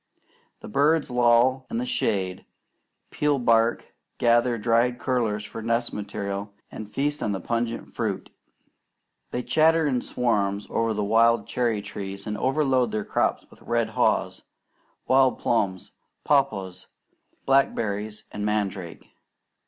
The birds loll in the shade, peel bark, gather dried curlers for nest material, and feast on the pungent fruit. They chatter in swarms over the wild cherry trees, and overload their crops with red haws, wild plums, papaws, blackberries and mandrake.